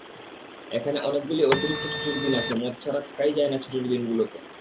এখানে অনেকগুলো অতিরিক্ত ছুটির দিন আছে, মদ ছাড়া থাকাই যায় না ছুটির দিনগুলোতে!